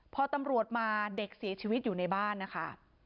พอตำรวจมาเด็กเสียชีวิตอยู่ในบ้านนะคะ